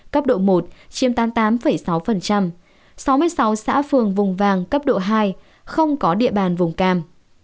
cấp độ một chiếm tám mươi tám sáu mươi sáu xã phường vùng vàng cấp độ hai không có địa bàn vùng cam